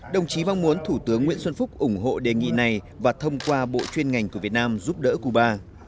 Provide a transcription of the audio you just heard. đồng chí vang muốn thủ tướng nguyễn xuân phúc ủng hộ đề nghị này và thông qua bộ chuyên ngành của việt nam giúp đỡ cuba